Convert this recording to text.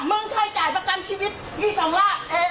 มึงใช้จ่ายประกันชีวิตอีส่องล่ะเอ่อ